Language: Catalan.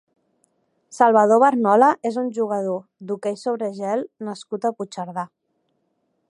Salvador Barnola és un jugador d'hoquei sobre gel nascut a Puigcerdà.